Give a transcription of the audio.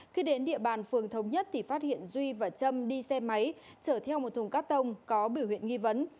khi đến địa bàn phường thống nhất thì phát hiện duy và trâm đi xe máy chở theo một thùng cắt tông có biểu hiện nghi vấn